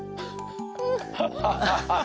ハハハハ！